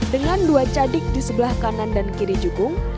dengan dua cadik di sebelah kanan dan kiri jukung